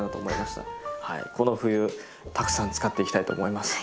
この冬たくさん使っていきたいと思います。